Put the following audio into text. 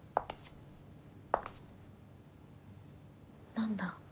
何だ？